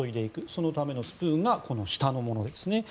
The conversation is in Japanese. そのためのスプーンが下のものですね。